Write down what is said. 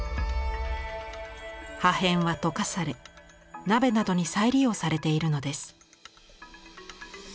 破片は溶かされ鍋などに再利用されているのです。